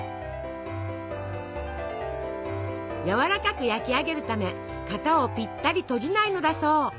やわらかく焼き上げるため型をぴったり閉じないのだそう。